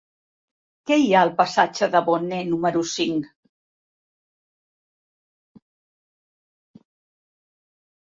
Què hi ha al passatge de Boné número cinc?